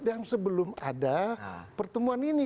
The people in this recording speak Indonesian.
yang sebelum ada pertemuan ini